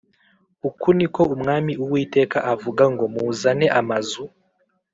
Uku ni ko Umwami Uwiteka avuga ngo muzane amazu